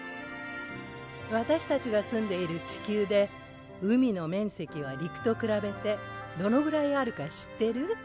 わたしたちが住んでいる地球で海の面積は陸とくらべてどのぐらいあるか知ってる？